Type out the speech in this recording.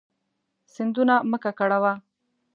سیندونه مه ککړوه.